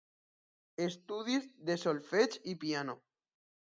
Estudis de solfeig i piano.